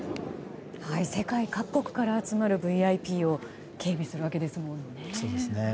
世界各国から集まるＶＩＰを警備するわけですもんね。